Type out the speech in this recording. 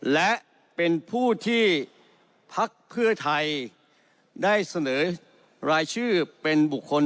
และเป็นผู้ที่พักเพื่อไทยได้เสนอรายชื่อเป็นบุคคล